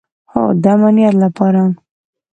هو، د امنیت لپاره